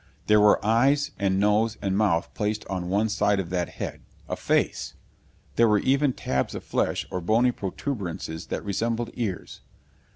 There were eyes and nose and mouth placed on one side of that head a face! There were even tabs of flesh or bony protuberances that resembled ears.